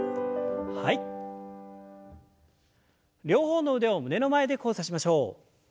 両方の腕を胸の前で交差しましょう。